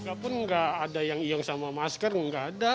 walaupun nggak ada yang iyang sama masker nggak ada